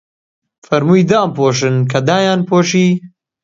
فەرمووی: دام پۆشن، کە دایان پۆشی